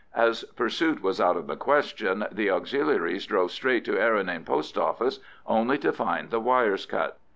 As pursuit was out of the question, the Auxiliaries drove straight to Errinane Post Office, only to find the wires cut.